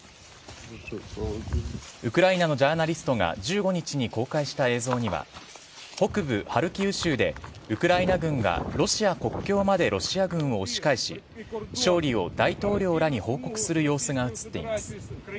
ウクライナのジャーナリストが１５日に公開した映像には、北部ハルキウ州でウクライナ軍が、ロシア国境までロシア軍を押し返し、勝利を大統領らに報告する様子が写っています。